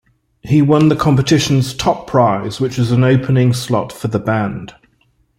He won the competition's top prize, which was an opening slot for the band.